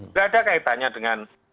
tidak ada kaitannya dengan